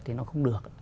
thì nó không được